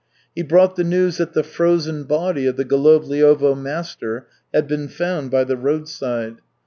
He brought the news that the frozen body of the Golovliovo master had been found by the roadside.